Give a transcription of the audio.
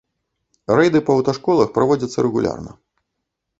Рэйды па аўташколах праводзяцца рэгулярна.